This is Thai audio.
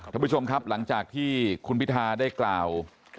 ท่านผู้ชมครับหลังจากที่คุณพิทาได้กล่าว